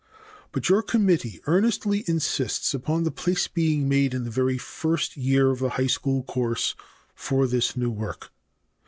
But your committee earnestly insists upon place being made in the very first year of the high school course for this new work.